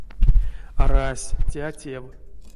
Арась, те а тев.